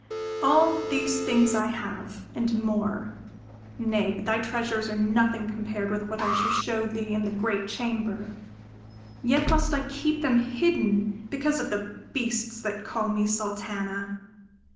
"All these things I have, and more nay, but thy treasures are nothing compared with what I shall show thee in the great chamber yet must I keep them hidden because of the beasts that call me Sultana!